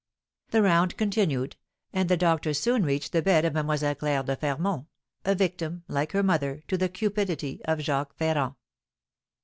The round continued, and the doctor soon reached the bed of Mlle. Claire de Fermont, a victim, like her mother, to the cupidity of Jacques Ferrand.